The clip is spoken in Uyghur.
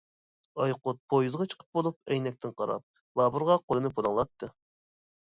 ئايقۇت پويىزغا چىقىپ بولۇپ، ئەينەكتىن قاراپ، بابۇرغا قولىنى پۇلاڭلاتتى.